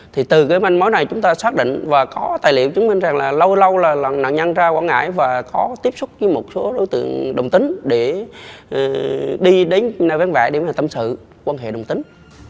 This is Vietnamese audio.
thì từ cái manh mối này chúng ta xác định và có tài liệu chứng minh rằng là lâu lâu là nạn nhân ra quảng ngãi và có tiếp xúc với một số đối tượng đồng tính để đi đến nơi vén vẹn để mà tâm sự quan hệ đồng tính